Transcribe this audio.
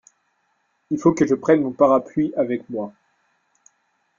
Il faut que je prenne mon parapluie avec moi.